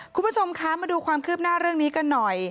คุณผู้ชมคะมาดูความคืบหน้าเรื่องนี้กันหน่อย